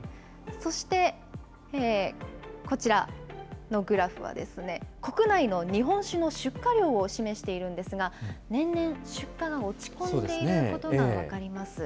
そして、こちらのグラフは、国内の日本酒の出荷量を示しているんですが、年々、出荷が落ち込んでいることが分かります。